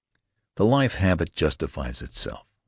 The life habit justifies itself.